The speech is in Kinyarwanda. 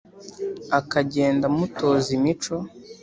, aka genda amutoza imico